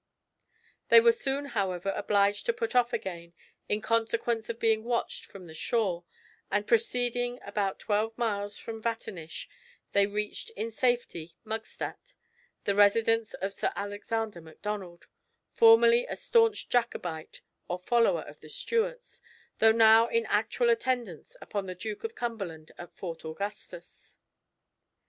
They were soon, however, obliged to put off again, in consequence of being watched from the shore and, proceeding about twelve miles from Vaternish, they reached in safety, Mugstat, the residence of Sir Alexander Macdonald, formerly a staunch Jacobite, or follower of the Stuarts, though now in actual attendance upon the Duke of Cumberland at Fort Augustus.